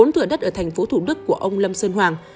bốn thửa đất ở thành phố thủ đức của ông lâm sơn hoàng